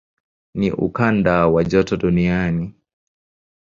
Ni ukanda wa joto duniani.